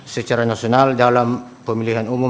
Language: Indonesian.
secara nasional dalam pemilihan umum